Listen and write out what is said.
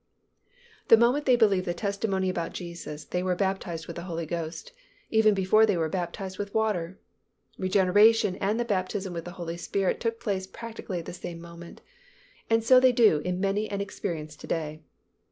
The moment they believed the testimony about Jesus, they were baptized with the Holy Ghost, even before they were baptized with water. Regeneration and the baptism with the Holy Spirit took place practically at the same moment, and so they do in many an experience to day.